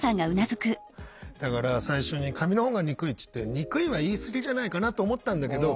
だから最初に「紙の本が憎い」って言って憎いは言い過ぎじゃないかなと思ったんだけど